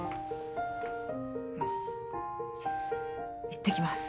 いってきます。